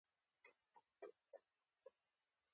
چندراګوپتا موریه دلته راغلی و